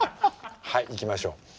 はいいきましょう。